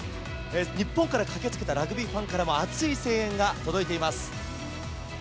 日本から駆けつけたラグビーファンからは熱い声援が届いています。